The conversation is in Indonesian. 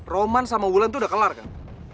roman sama ulan tuh udah kelar gak